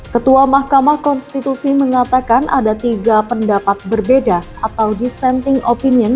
ketua mahkamah konstitusi mengatakan ada tiga pendapat berbeda atau dissenting opinion